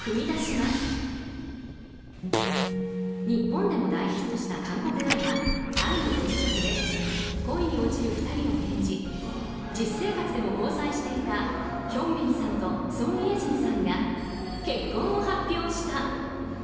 日本でも大ヒットした韓国ドラマ「愛の不時着」で恋に落ちる２人を演じ実生活でも交際していたヒョンビンさんとソン・イェジンさんが結婚を発表した。